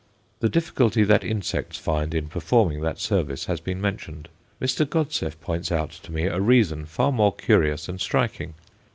The difficulty that insects find in performing that service has been mentioned. Mr. Godseff points out to me a reason far more curious and striking.